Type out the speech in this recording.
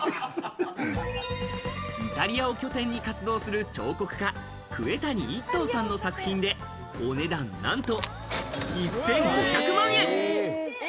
イタリアを拠点に活動する彫刻家、杭谷一東さんの作品で、お値段なんと、１５００万円。